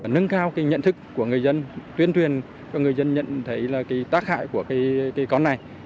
nâng cao nhận thức của người dân tuyên truyền cho người dân nhận thấy là cái tác hại của cây con này